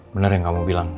bener yang kamu bilang